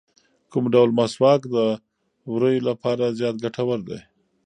کوم ډول مسواک د ووریو لپاره زیات ګټور دی؟